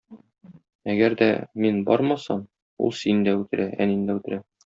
Әгәр дә мин бармасам, ул сине дә үтерә, әнине дә үтерә.